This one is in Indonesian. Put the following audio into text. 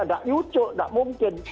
nggak yucuk nggak mungkin